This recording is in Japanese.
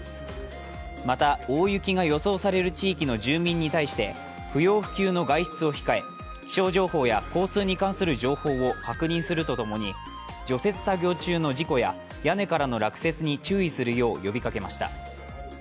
また大雪が予想される地域の住民に対して不要不急の外出を控え気象情報や交通に関する情報を確認すると共に、除雪作業中の事故や屋根からの落雪に注意するよう呼びかけました。